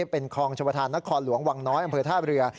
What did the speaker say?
เป็นคลองชมประธานนครหลวงวังน้อยอำเภอท่าเรือ